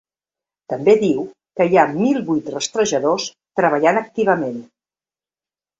També diu que hi ha mil vuit rastrejadors treballant activament.